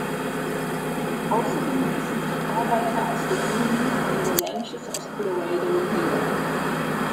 Außerdem ließen sich Arbeiter aus den Minen und den Ranches aus Colorado nieder.